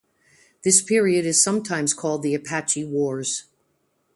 This period is sometimes called the Apache Wars.